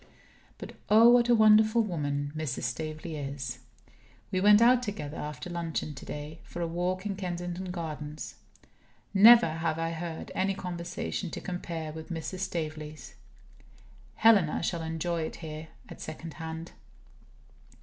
But, oh, what a wonderful woman Mrs. Staveley is! We went out together, after luncheon today, for a walk in Kensington Gardens. Never have I heard any conversation to compare with Mrs. Staveley's. Helena shall enjoy it here, at second hand.